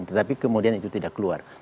tetapi kemudian itu tidak keluar